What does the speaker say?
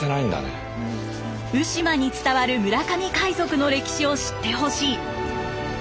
鵜島に伝わる村上海賊の歴史を知ってほしい。